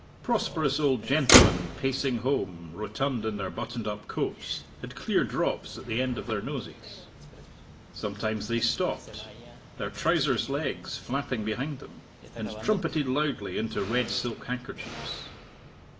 Prosperous old gentlemen pacing home, rotund in their buttoned up coats, had clear drops at the end of their noses. Sometimes they stopped their trousers legs flapping behind them and trumpeted loudly into red silk handkerchiefs.